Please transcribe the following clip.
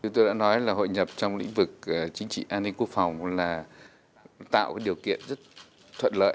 tôi đã nói là hội nhập trong lĩnh vực chính trị an ninh quốc phòng là tạo điều kiện rất thuận lợi